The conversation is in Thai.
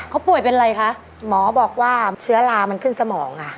เขาป่วยเป็นอะไรคะหมอบอกว่าเชื้อลามันขึ้นสมองค่ะ